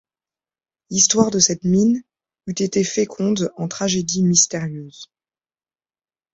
L’histoire de cette mine eut été féconde en tragédies mystérieuses.